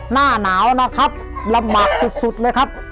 หน้าหนาวนะครับลำบากสุดเลยครับ